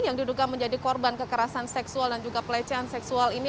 yang diduga menjadi korban kekerasan seksual dan juga pelecehan seksual ini